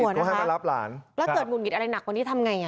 หมุนหงิดก็ให้มันรับหลานครับแล้วเกิดหมุนหงิดอะไรหนักกว่านี้ทำไงอ่ะ